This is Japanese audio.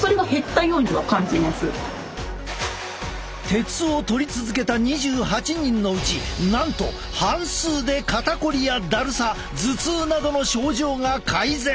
鉄をとり続けた２８人のうちなんと半数で肩こりやだるさ頭痛などの症状が改善！